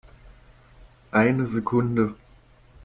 Eine Sekunde!